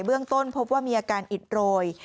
เรื่องต้นพบว่ามีอาการอิดโรย